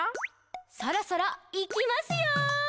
「そろそろ、いきますよ！」